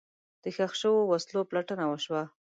د ښخ شوو وسلو پلټنه وشوه.